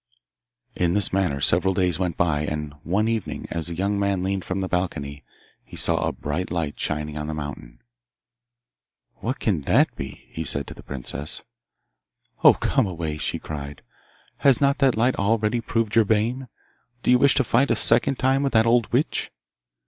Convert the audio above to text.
In this manner several days went by. And one evening, as the young man leaned from the balcony, he saw a bright light shining on the mountain. 'What can that be?' he said to the princess. 'Oh, come away,' she cried; 'has not that light already proved your bane? Do you wish to fight a second time with that old witch?